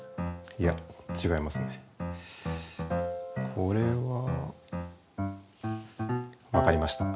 これは。わかりました。